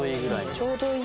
ちょうどいい。